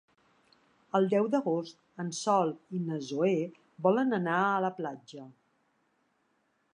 El deu d'agost en Sol i na Zoè volen anar a la platja.